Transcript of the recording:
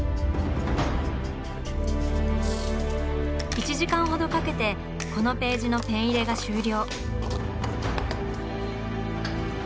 １時間ほどかけてこのページのペン入れが終了。